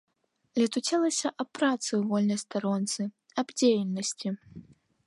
Летуцелася аб працы ў вольнай старонцы, аб дзеельнасці…